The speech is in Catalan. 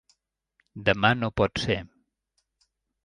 Demà no pot ser.